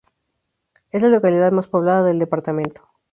Es la localidad más poblada del departamento.